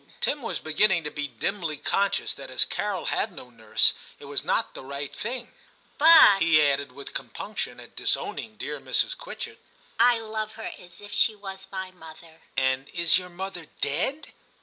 Tim was beginning to be dimly conscious that as Carol had no nurse, it was not the right thing. ' But,' he added with compunction at disowning dear Mrs. Quitchett, * I love her as if she was my mother. '* And is your mother dead